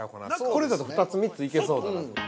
これだと２つ、３つ行けそうだな。